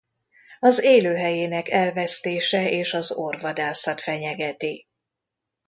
Az élőhelyének elvesztése és az orvvadászat fenyegeti.